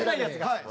はい。